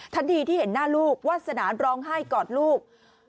ทันทีที่เห็นหน้าลูกวาสนาร้องไห้กอดลูก